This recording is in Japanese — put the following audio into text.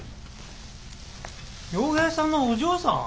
陽平さんのお嬢さん？